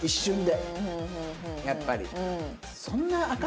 やっぱり。